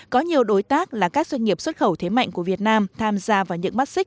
có nhiều đối tác là các doanh nghiệp xuất khẩu thế mạnh của việt nam tham gia vào những mắt xích